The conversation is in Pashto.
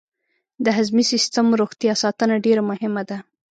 د هضمي سیستم روغتیا ساتنه ډېره مهمه ده.